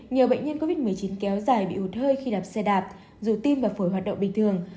nhiều bệnh nhân covid một mươi chín kéo dài bị ụt hơi khi đạp xe đạp dù tim và phổi hoạt động bình thường